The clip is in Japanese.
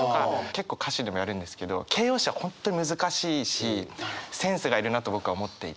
結構歌詞でもやるんですけど形容詞は本当に難しいしセンスがいるなと僕は思っていて。